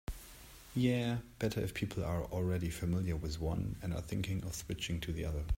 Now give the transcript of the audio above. Yeah, better if people are already familiar with one and are thinking of switching to the other.